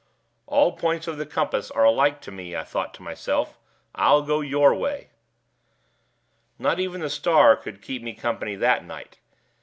'All points of the compass are alike to me,' I thought to myself; 'I'll go your way.' Not even the star would keep me company that night.